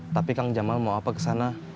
tapi kang jamal mau apa kesana